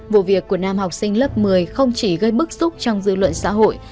vụ việc của nam học sinh lớp một mươi không chỉ gây bức xúc trong dư luận xã hội